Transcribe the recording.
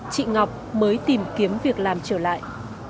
chị ngọc mới tìm kiếm việc làm trở lại